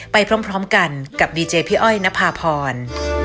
ไปพร้อมกันกับดีเจพี่อ้อยนภาพร